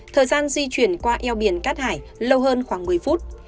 thời gian di chuyển qua eo biển cát hải lâu hơn khoảng một mươi phút